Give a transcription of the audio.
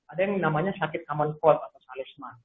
ada yang namanya sakit common cold atau salesma